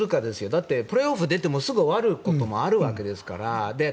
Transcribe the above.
だってプレーオフ出てもすぐ終わることもあるわけですから。